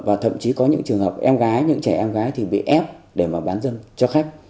và thậm chí có những trường hợp em gái những trẻ em gái thì bị ép để mà bán dâm cho khách